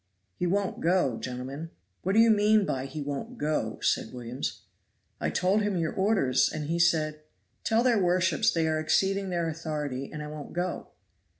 "He won't go, gentlemen." "What do you mean by he won't go?" said Williams. "I told him your orders; and he said, 'Tell their worships they are exceeding their authority, and I won't go.'